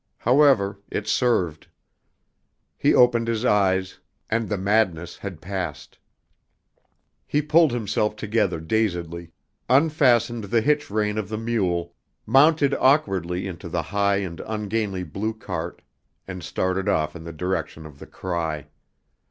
However, it served. He opened his eyes, and the madness had passed. He pulled himself together dazedly, unfastened the hitch rein of the mule, mounted awkwardly into the high and ungainly blue cart and started off in the direction of the cry.